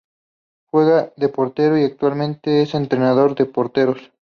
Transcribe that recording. Juega de portero y actualmente es entrenador de porteros.